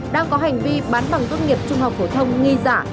đang có hành vi bán bằng tốt nghiệp trung học phổ thông nghi giả